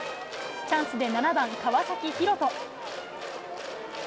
チャンスで７番川崎広翔。